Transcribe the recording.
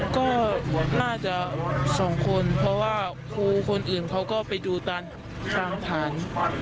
ก็น่าจะสองคนเพราะว่าครูคนอื่นเขาก็ไปดูตามฐาน